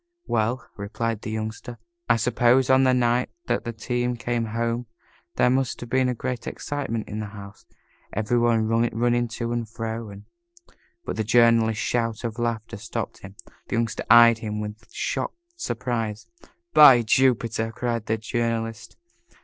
"Well," replied the Youngster, "I suppose on the night that the team came home there must have been great excitement in the house every one running to and fro and " But the Journalist's shout of laughter stopped him. The Youngster eyed him with shocked surprise. "By Jupiter!" cried the Journalist.